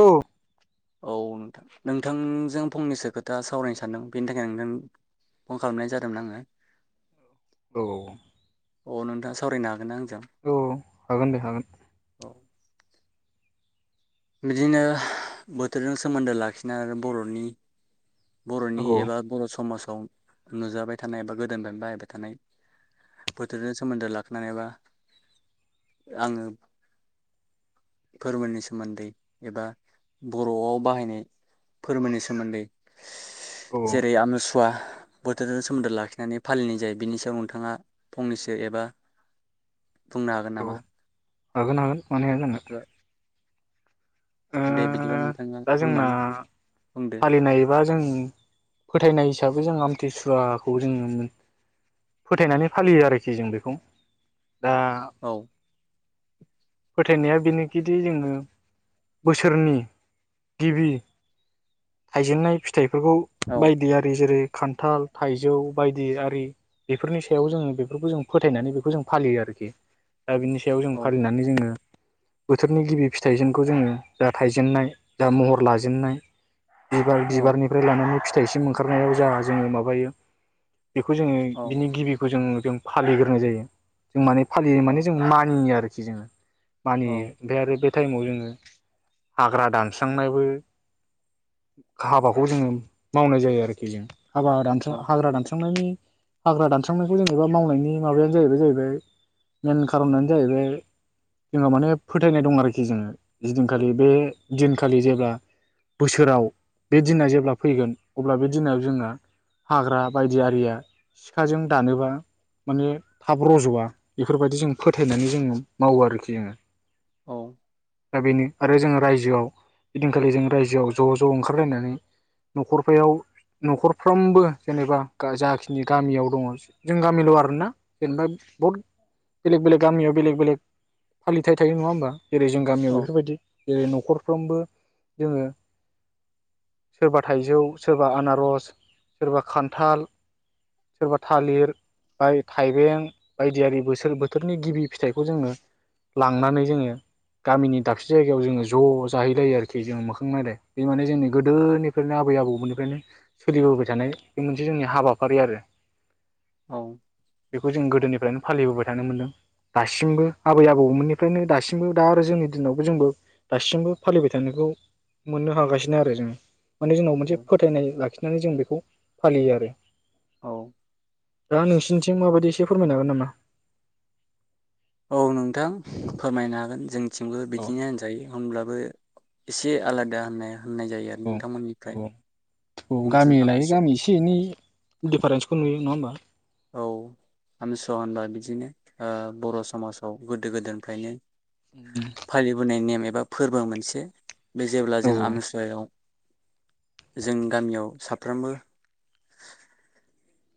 औ। औ नोंथां नोंथांजों फंनैसो खोथा सावरायनो सानदों बेनि थाखायनो नोंथां फन खालामनाय जादोंमोन आंङो। औ। अ नोंथांङा सावरायनो हागोन आंजों? औ हागोन दे हागोन। औ बिदिनो बोथोरजों सोमोन्दो लाखिना आरो बर'नि औ बर'नि एबा बर' समाज औ नुजाबाय थानाय एबा गोदोनिफ्राय बाहायबाय थानाय बोथोरजों सोमोन्दो लाखिनानै एबा आंङो फोरबोनि सा सोमोन्दै एबा बर'आव बाहायनाय फोरमोनि सोमोन्दै औ जेरै आमनुसुवा, बोथोरजों सोमोन्दो लाखिनानै फालिनाय जायो बिनि सायाव नोंथांङा फंनैसो एबा बुंनो हागोन नामा? हागोन हागोन। मानो हायाजानो। एबा दे बिदिबा नों दा जोंना फालिनायबा जों फोथाय फैनाय हिसाबै जों आमथिसुवाखौ जोंङो फोथायनानै फालियो आरोखि जों बेखौ। दा औ फोथायनाया बेनोखिदि जोंङो बोसोरनि गिबि थायजेननाय फिथाइ फोरखौ औ बायदि आरि जेरै खान्थाल, थाइजौ बायदि आरि बेफोरनि सायाव जोङो बेफोरखौ जों फोथायनानै बेखौ जों फालियो आरोखि। दा बिनि सायाव जों औ फालिनानै जोङो बोथोरनि गिबि फिथाइजोंखौ जोङो दा थाइजेननाय दा महर लाजेननाय बिबार औ बिबारनिफ्राय लानानै फि फिथाइसिम ओंखारनायाव जाहा जोंङो माबायो बेखौ जोङो औ बिनि गिबिखौ जोंङो जों फालिग्रोनाय जायो। जों माने फालियो औ माने जों मानियो आरोखि। खि जोङो औ मानियो ओमफ्राय आरो बे टाइमाव जोङो हाग्रा दान स्रांनायबो हाबाखौ जोङो मावनाय जायो आरोखि जों हाबा दानस औ हाग्रा दानस्रांनायनि हाग्रा दानस्रांनायखौ जेनेबा मावनायनि माबायानो जाहैबाय जाहैबाय मेन खारनानो जाहैबाय जोंनाव माने फोथायनाय दं आरोखि जोङो जिदिनखालि बे दिनखालि जेब्ला बोसोराव बे दिना जेब्ला फैगोन अब्ला बे दिनाव जोंङो हाग्रा बायदि आरिया सिखाजों दानोबा माने थाब रजवा बेफोरबायदि जों फोथायनानै जोंङ मावो आरोखि जोङो औ बेनो आरो जो रायजोआव बिदिनखालि जों रायजोआव ज ज ओंखारलायनानै नखरफोर नखरफ्रोमबो जेनेबा जाखिनि गामियाव दङ जों गामिल आरोना जेनेबा बहुद बेलेग बेलेग गामियाव बेलेग बेलेग फालिथायाइ थायो नङा होमबा जेरै जों औ गामियाव बेफोरबायदि जेरै नखर फ्रोमबो जङो सोरबा थाइजौ सोरबा आनारस सोरबा खान्थाल सोरबा थालिर बाय थाइबें बायदियारि बोोर बोथोरनि गिबि फिथाइखौ जोङो लांनानै जङो गामिनि दाबसे जायायाव ज ज जाहैलायो आरोखि जोङो मोखां नायलाय बे माने जोंनि गोदोनिफ्रायनो आबै आबौमोननिफ्रायनो सोलिबोबाय थानाय बे मोनसे जोंनि हाबाफारि आरो औ बेखौ जों गोदोनि बेफ्रायनो फालिबोबाय थानो मोनदों दासिमबो आबै आबौमोननिफ्रायनो दासिमबो दा आरो जोंनि दिनावबो जोंबो दासिमबो फालिबाय थानायखौ मोननो हागासिनो आरो जोंङो माने जोंनाव मोनसे फोथायनाय लाखिनानै जों बेखौ फालियो आरो औ दा नोंसिनिथिं माबायदि एसे फोरमायनो हागोन नामा औ नोंथां फोरमायनो हागोन जों थिंबो औ बिदिनो होनजायो होनब्लाबो एसे आलादा होननाया औ औ औ औ जोंथिं गामि लायै आमथिसुवा गामि एसे एनै दिफारेन्सखौ नुयो नङा होमबा औ हमस होनबा बिदिनो ओ बर' समाजाव गोदो गोदायनिफ्रायनो फालि बोनाय नेम एब एबा फोरबो मोनसे बे जेब्ला औ जों आमसवायाव जों गामियाव साफ्रोमबो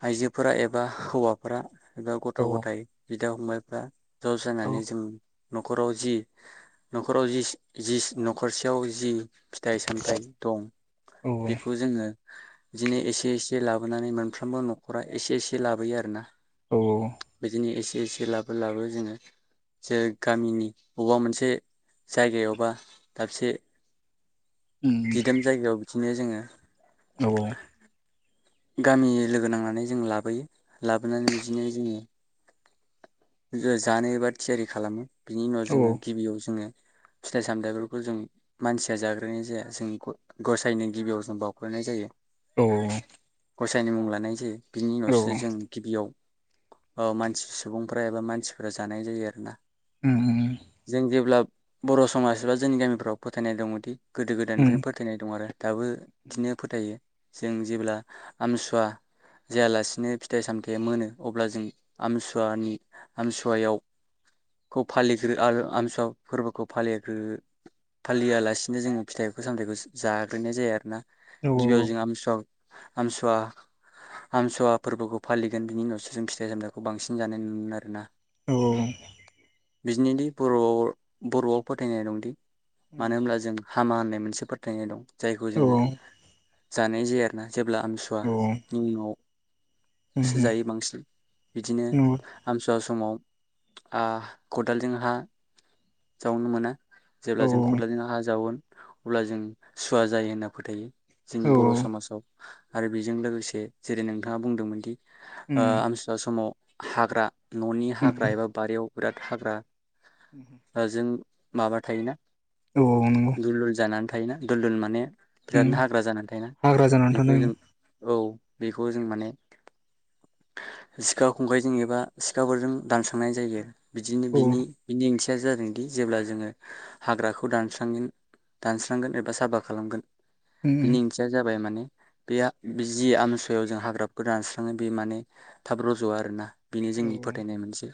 आइजोफोरा एबा हौवाफोरा बा गथ औ गथाय बिदा फंमबाय आह ज औ जनानानै जों नखराव जि नखराव जि नखरसेयाव जि फिथाइ सामथायाइ दं औ बेखौ जोङो बिदि एसे एसे लाबोनानै मोन फ्रोमबो नखरा एसे एसे लाबोयो आरो ना औ एसे लाबो लाबो जोङो जे गामिनि बबेबा मोनसे जायगायावबा दाबसे दिदोम जायगायाव - बिदिनो जोङो- औ गामि लोगो नांनानै जों लाबोयो लाबोनानै बिदिनो जोङो जानो एबा थियारि खालामो। बिनि उनाव जोङो गिबियाव जोङो फिथाइ सामथायाइफोरखौ जों मानसिया जाग्रोननाय जाया जों गसायनो गिबियाव जों बाउग्रोनाय जायो। [unintelligible] गसायनि मुं लानाय जायो। बिनि उनावस्रो जों गिबियाव‌ - औ मानसि सुबुं - [unintelligible] मानसिफोरा जानाय जायो आरोना। जों जेब्ला- बर' समाज बा जोंनि गामिफ्राव फोथायनाय दङदि गोदो गोदायनिफ्रायनो फोथायनाय दं आरो। दाबो बिदिनो फोथायो जों जेब्ला आमसुवा जायालासिनो फिथाइ सामथायाइ मोनो अब्ला जों आमसुवानि- आमसुवायाव खौ फालिग्रो आरो आमसुवा फोरबोखौ फालिग्रो फालियालासिनो जों फिथाइ सामथायाइखौ जाग्रोनाय जाया आरोना औ गिबियाव जोंमसुवमसुवा आमसुवा- आमसुवा फोरबोखौ फालिगोन बिनि उनावसो जों फिथाइ सामथायाइखौ बांसिन जानाय नु मोन- आरोना औ औ बिदिनोदि बर'आव बर'आव फोथायनाय दंदि औ मानो होनब्ला जों हामा होननाय मोनसे फोथायनाय दं। जायखौ जोङो औ जानाय जाया आरोना जेब्ला आमसुवानि मुङाव उम सो जायो बांसिन। बिदिनो नंगौ सुवा समाव आ‌‌ खदालजों हा जावनो मोना जेब्ला औ जों खदालजों हा जावोन अब्ला जों सुवा जायो होनना फोथायो। जोंनि औ बर' समाजाव। आरो बेजों लोगोसे जेरै नोंथाङा बुंदोंमोनदि - उम ओ- द समाव हाग्रा न'नि उम हाग्रा एबा बारियाव बेराद‌ हाग्रा- जों - माबा थायोना औ नंगौ दुलुल जाना थायोना दुलदुल माने- उम बिरादनो हाग्रा जानानै थायोना हाग्रा जानानै बेखौ थानाय जों औ बेखौ जों माने- सिखा खंखाइ जों एबा- सिखाफोरजों दानस्रांनाय जायो। बिदिनो औ बिनि बेनि ओंथि या जादोंदि जेब्ला जोङो हाग्राखौ दानस्रांगोन दानस्रांगोन एबा साफा खालामगोन बिनि उम ओंथिया जाबाय माने बेआ बिजि आमसुवायाव जों हाग्राखौ दानस्राङो बे माने थाब रजया आरोना। बेनि औ जोंनि फोथायनाय मोनसे।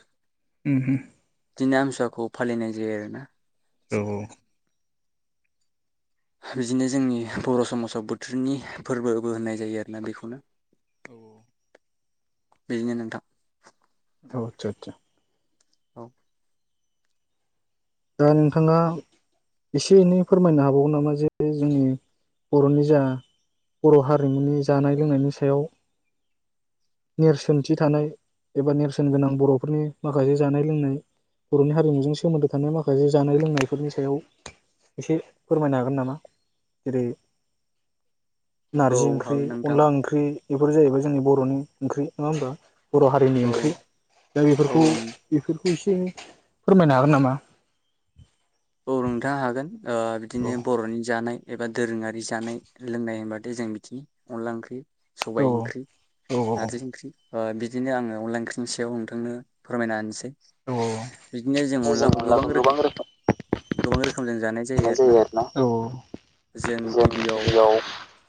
उम इदिनि आमसुवाखौ फालिनाय जायो आरोना औ औ बिदिनो जोंनि बर' समाजाव बोथोरनि फोरबोबो होननाय जायो आरोना बेखौनो। औ औ बेनो नोंथां अ आतसा आतसा औ दा नोंथाङा एसे एनै फोरमायनो हाबावो नामा जे जोंनि बर'नि जा बर' हारिमुनि जानाय लोंनायनि सायाव नेरसोनथि थानाय एबा नेरसोन गोनां बर'फोरनि माखासे जानाय लोंनाय बर'नि हारिमुजों सोमोन्दो थानाय माखासे जानाय लोंनायफोरनि सायाव एसे फोरमायनो हागोन नामा? जेरै - औ नारजि ओंख्रि, हागोन नोंथां अनला ओंख्रि बेफोर जाहैबाय जोंनि बर'नि ओंख्रि नङा होमबा? बर' हारिनि औ ओंख्रि दा बेफोरखौ औ बे खौ एसे एनै फोरमायनो हागोन नामा? औ नोंथां हागोन। ओ औ बिदिनो बर'नि जानाय एबा दोरोङारि जानाय लोंनाय होनबाथाय जों मिथियो अनला ओंख्रि, औ सबाय ओंख्रि, औ नारजि ओंख्रि। ओ बिदिनो आङो अनला ओंख्रिनि सायाव नोंथांनो फोरमायनो होनोसै औ औ औ जों अनलाखौ गोबां रोखोम गोबां रोखोमजों जानाय जायो आरोना। जों गिबियाव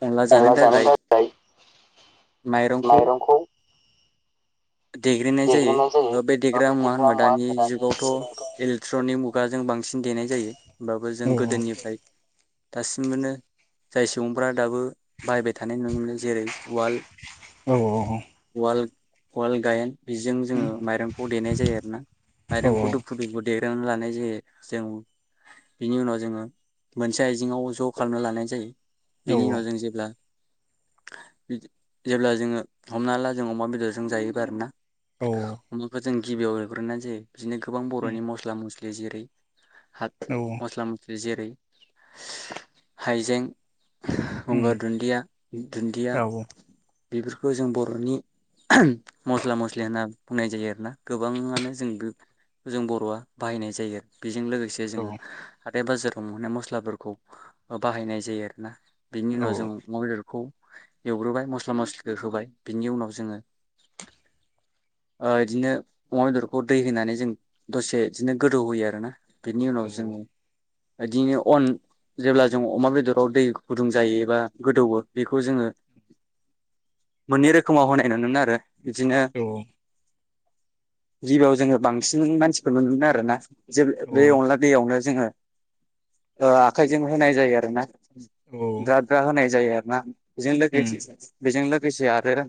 अनला जानो थाखाय माइरंखौ देग्रोनाय जायो। बे देग्रा मुवा होनबा दानि जुगावथ' इलेक्ट्रनिक मुगाजों बां बांसिन देनाय जायो होमब्लाबो जों औ औ गोदोनिफ्राय दासिमबोनो जाय सुबुंफोरा दाबो बायबाय थानाय नुनो मोनो जेरै- उवाल औ औ औ उवाल उवाल गायेन बेजों जोङो माइरंखौ देनाय जायो आरो ना माइरंखौ दुफु दुफु देग्रोनानै लानाय नाय जायो। जों बिनि उनाव जोङो मोनसे आइजेङाव ज' खालामना लानाय जायो। औ बिनि उनाव जों जेब्ला जेब्ला जोङो हमना ला जों अमा बेदरजों जायोबो आरोना औ औ अमाखौ जों गिबियाव एवग्रोनन्नाइ जायो बिदिनो गोबां बरनि मस्ला मस्लि गेजेरै हाथ मस्ला मस जेरै हाइजें गंगार दुन्दिया दुन्दिया बेफोरखौ जों बरनि मस्ला मस्लि होनना बुंनाय जायो आरोना गोबाङानो जों गो जों बरआ बाहायनाय जायो आरो बेजों लोगोसे जोङो बे बाजाराव मोनहनाय मस्लाफोरखौ बाहायनाय जायो आरोना बिनि उनाव जों अमाबेदरखौ एवग्रोबाय मस्ला मस्लिखौ होबाय बिनि उनाव जोङो ओ बिदिनो अमा बेदरखौ दै होनानै जों दसे बिदिनो गोदौ होयो आरो ना बिनि उनाव जों बिदिनो अन जेब्ला जों अमा बेदराव दै गुदुं जायो एबा गोदौवो बेखौ जोङो मोननै रोखोमाव होनाय नुनो मोनो आरो बिदिनो औ औ गिबियाव जोङो बांसिन मानसिफोर मोनो आरोना जे बे औ अनला दैयावनो जोङो आखाइजों होनाय जायो आरोना औ दाद दाद होनाय जायो आरो ना बेजों उम लोगोसे बेजों लोगोसे आरो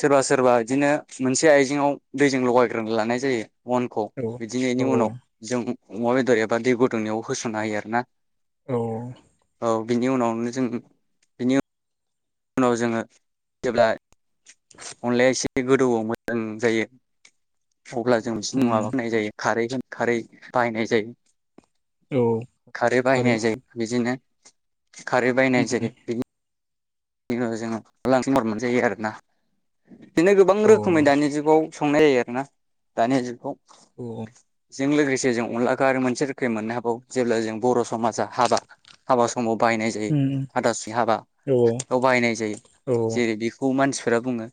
सोरबा सोरबा बिदिनो मोनसे आइजेंआव दैजों लगायग्रोना लानाय जायो अनखौ औ बिदिनायनि औ उनाव जों अमा बेदर एबा दै गुदुंनायाव होसननो हायो आरो ना औ बिनि उनावनो जों बिनि उनाव जोङो जेब्ला अनलायाएसे बे गोदौओ मोजां जायो अब्ला जों बिस माबा उम होननाय जायो खारै जों खारै बाहायनाय जायो औ खारै थारै बाहायनाय जायो बिदिनो खारै बायनाय उम जायो। [unintelligible] बेनो गोबां औ रोखोमै दानि जुगाव संनाय जायो आरोना दानि जुगाव उम जों लोगोसे जों अनलाखो आरो मोनसे रो मोननो हाबौ जेब्ला जों बर समाजा हाबा हाबा समाव बायनाय जायो हाथासुनि हाबा। औ बाहायनाय जायो जेरै बेखौ मानसि फोरा बुङो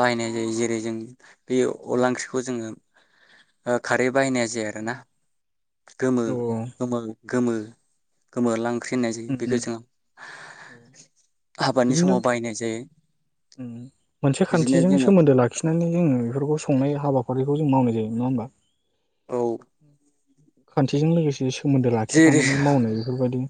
बाहायनाय जायो जेरै जों बे अला ओंख्रिखौ जोङो आ खारै बायनाया जाया आरोना गोमो औ गोमो गोमो गोमोरलां ख्रि होननाय जायो उम बेखौ जोङो हाबानि बिदिनो समाव बाहायनाय जायो। मोनसे बिदिनो खान्थिजों जोङो सोमोन्दो लाखिनानै जोङो बेफोरखौ संनाय हाबाफारिखौ जों मावनाय जायो नङा होमबा। औ [inaudible] खान्थिजों लोगोसे सो सोमोन्दो जेरै लाखिफानानै मावनाय बेफोरबायदि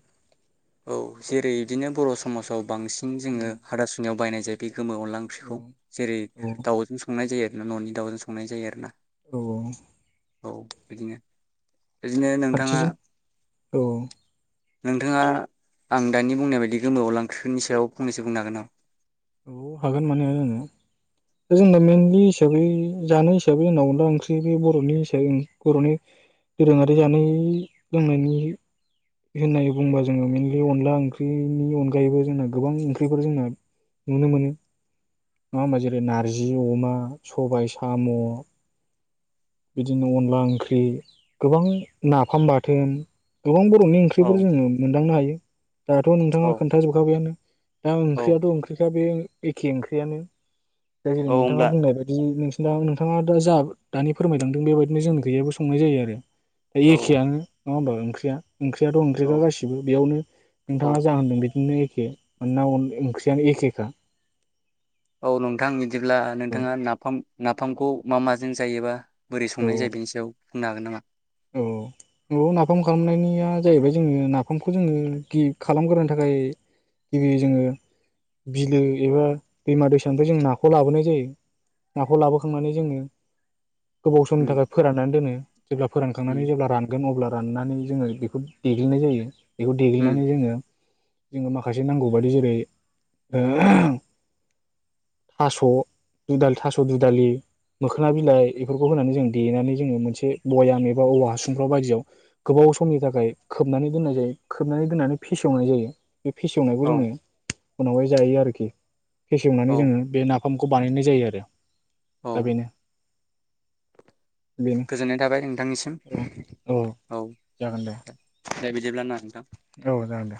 औ जेरै बिदिनो बर समाजाव बांसिन जोङो उम हाथा सुनियाव बायनाय जायो। बे गोमो अनदला औ ओंख्रिखौ जेरै औ दाउजों संनाय जायो। ननि दाउजों संनाय जायो आरो ना। औ औ। औ बिदिनो। बिदिनो नोंथाङा खान्थिजों औ नोंथाङा आं दानि बुंनाय बायदि गोमो अनला ओंख्रिनि सायाव फंनैसो बुंनो हागोन नामा? औ हागोन मानो हाया जानो। दा जोंना मेनलि हिसाबै जानाय हिसाबै जोंनाव अनला ओंख्रि बे बरनि हिसाबै बरनि दोरोङारि जानाय लोंनायनि होननानै बुंबा जोङो मेनलि अनला ओंख्रिनि अनगायैबो जोंना गोबां ओंख्रिफोर जोंना नुनो मोनो नङा होमबा जेरै नारजि अमा सबाय साम बिदिनो अनला ओंख्रि गोबां नाफाम बाथोन गोबांबो संनि औ ओंख्रिफोर जोङो मोनदांनो हायो दाध नोंथाङा औ खोन्थाजोबखाबायानो दा औ ओंख्रियाथ ओंख्रिखा बे एखे ओंख्रियानो दा जेरै औ नोंथाङा होमब्ला बुंनाय बायदि नोंसिना नोंथाङा उरजाब दानो फोरमायलांदों बेबायदिनो जोंनि गैयाबो संनाय जायो आरो द औ एखेआनो नङा होनोमबा ओंख्रिया ओंख्रियाथ औ ओंख्रिया गासिबो बेयावनो औ नोंथाङा ज होनदों बिदि नो एखे मामोना ओंख्रियानो एखेखा। औ नोंथां बिदिब्ला औ नोंथाङा नाफाम नाफामखौ मा माजों जायोबा बोरै औ संनाय जायो बेनि सायाव बुंनो हागोन नामा औ औ नाफाम खालामनायनिया जाहैबाय जोङो नाफामखौ जोङो गि खालामग्रोनो थाखाय गिबि जोङो बिलो एबा दैमा दैसानिफ्राय जो नाखौ लाबोनाय जायो नाखौ लाबोखांनानै जोङो गोबाव समनि उम थाखाय फोराननानै दोनो जेब्ला फोरानखांनानै उम जेब्ला रानगोन अब्ला राननानै जोङो बेखौ देग्लिनाय जायो बेखौ उम देग्लिनानै जोङो जोङो माखासे नांगौ बादि जेरै [inaudible] बयाम एबा औवा हासुंफ्राव बायदियाव गोबाव समनि थाखाय खोबनानै दोननाय जायो खोबनानै दोननानै फेसेवनाय जायो बे फेसेवनायखौ जोङो औ उनावहाय जायो आरोखि फेसेवनानै औ जोङो बे ना फामखौ बानायनाय जायो आरो औ दा बेनो बेनो गोजोननाय थाबाय नोंथांनिसिम औ औ जागोन दे दे बिदिब्ला ना नोंथां औ जागोनदे